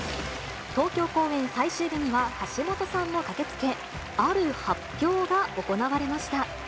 東京公演最終日には、橋本さんも駆けつけ、ある発表が行われました。